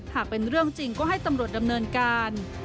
หากเป็นเรื่องจริงก็ให้ตำรวจดำเนินการ